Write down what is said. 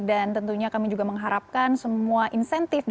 dan tentunya kami juga mengharapkan semua insentifnya